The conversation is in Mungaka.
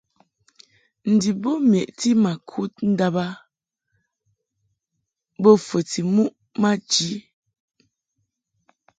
Ndib bo meʼti ma kud ndàb a bo fəti muʼ maji.